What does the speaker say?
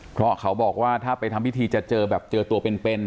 เพราะเขาบอกว่าถ้าไปทำพิธีจะเจอแบบเจอตัวเป็น